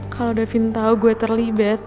kalo da finn tau gua terlibat